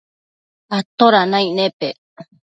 atoda naic nepec